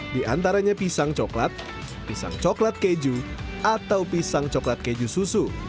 di antaranya pisang coklat pisang coklat keju atau pisang coklat keju susu